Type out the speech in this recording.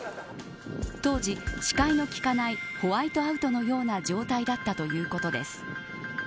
当時、視界の効かないホワイトアウトのような状態だったということです。